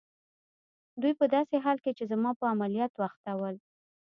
دوی په داسې حال کې چي زما په عملیاتو اخته ول.